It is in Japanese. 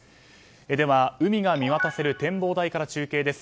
では、海が見渡せる展望台から中継です。